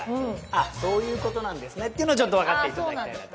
あそういうことなんですねっていうのをちょっと分かっていただきたいなと思います